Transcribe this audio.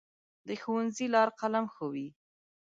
د ښوونځي لار قلم ښووي.